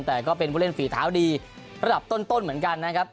แต่ก็เป็นผู้เล่นฝีเท้าดีระดับต้นเหมือนกันนะครับ